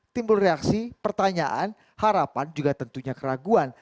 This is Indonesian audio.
timbul reaksi pertanyaan harapan juga tentunya keraguan